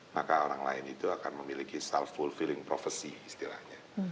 maka orang lain itu akan memiliki self fulfilling prophecy istilahnya